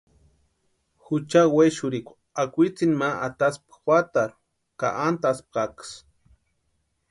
Jucha wexurhikwa akwitsini ma ataspka juatarhu ka ántaspkaksï.